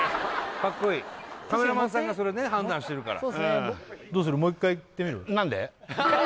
かっこいいカメラマンさんがそれね判断してるから「なんで？」